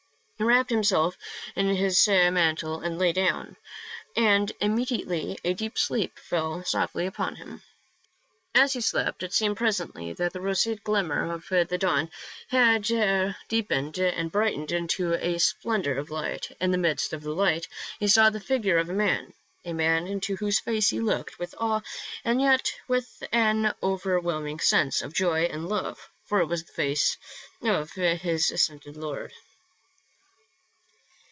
He wrapped himself in his man tle and lay down, and immediately a deep sleep fell softly upon him. As he slept, it seemed presently that the roseate glimmer of the dawn had deepened and brightened into a splendor of light ; in the midst of the light he saw the figure of a man, a man into whose face he looked with awe and yet with an over whelming sense of joy and love, for it was the face of his ascended Lord.